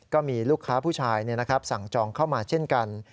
ก็มีลูกค้าผู้ชายสั่งจองเข้ามาเช่นกัน